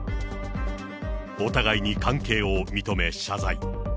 お互いに関係を認め謝罪。